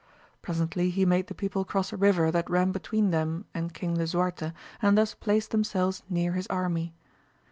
Presently he made the people cross a river that ran between them and King Lisuarte, and thus placed themselves near his army.